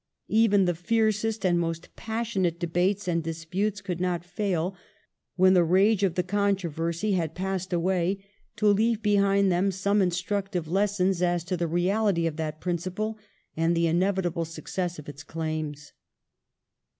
Even the fiercest and most passionate debates and disputes could not fail, when the rage of the controversy had passed away, to leave behind them some instructive lessons as to the reality of that principle and the inevitable success of ' its claims.